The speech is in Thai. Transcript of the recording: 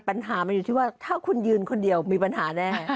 ปัญหามันอยู่ที่ว่าถ้าคุณยืนคนเดียวมีปัญหาแน่